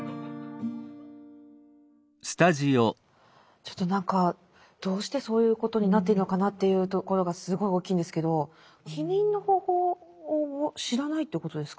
ちょっと何かどうしてそういうことになっているのかなというところがすごい大きいんですけど避妊の方法を知らないということですか？